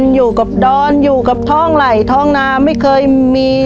ชีวิตหนูเกิดมาเนี่ยอยู่กับดิน